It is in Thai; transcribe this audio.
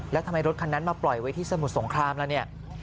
แล้วทำไมรถคันนั้นมาปล่อยไว้ที่สมุทรสงครามแล้วเนี่ย